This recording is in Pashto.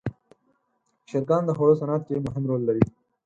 چرګان د خوړو صنعت کې مهم رول لري.